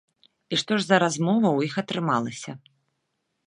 І што ж за размова ў іх атрымалася?